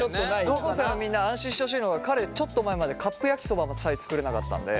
高校生のみんな安心してほしいのは彼ちょっと前までカップ焼きそばさえ作れなかったんで。